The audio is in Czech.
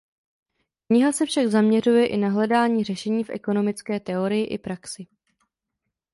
Kniha se však zaměřuje i na hledání řešení v ekonomické teorii i praxi.